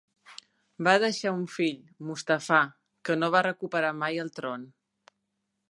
Va deixar un fill, Mustafà, que no va recuperar mai el tron.